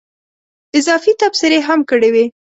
اضافي تبصرې هم کړې وې.